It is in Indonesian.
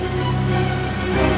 hantu apaan sih